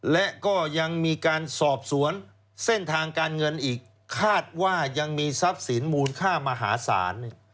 และก็ยังมีการสอบสวนเส้นทางการเงินอีกคาดว่ายังมีทรัพย์สินมูลค่ามหาศาล